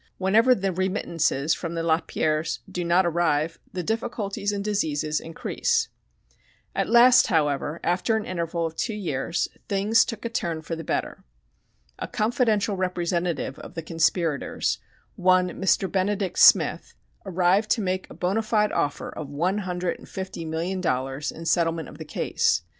Whenever the remittances from the Lapierres do not arrive the difficulties and diseases increase. At last, however, after an interval of two years, things took a turn for the better. A "confidential representative" of the conspirators one "Mr. Benedict Smith" arrived to make a bona fide offer of one hundred and fifty million dollars in settlement of the case.